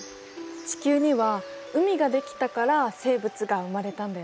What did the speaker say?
地球には海が出来たから生物が生まれたんだよね。